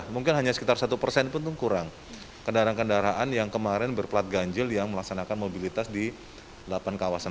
pengamat transportasi deddy herlambang menilai sistem ganjil gendap di dki